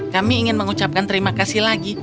kami ingin mengucapkan terima kasih lagi